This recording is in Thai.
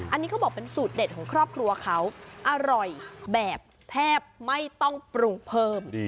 อันนี้เขาบอกเป็นสูตรเด็ดของครอบครัวเขาอร่อยแบบแทบไม่ต้องปรุงเพิ่ม